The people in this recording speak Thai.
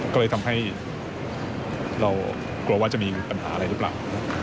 ก็เลยทำให้เรากลัวว่าจะมีปัญหาอะไรหรือเปล่า